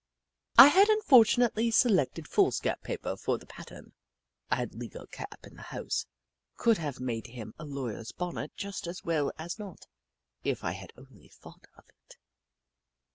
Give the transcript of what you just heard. I had unfortunately selected foolscap paper for the pattern. I had legal cap in the house and could have made him a lawyer's bonnet just as well as not, if I had only thought of it.